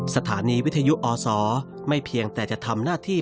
สถานีวิทยุอศไม่เพียงแต่จะทำหน้าที่